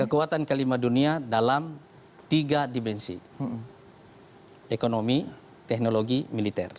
kekuatan kelima dunia dalam tiga dimensi ekonomi teknologi militer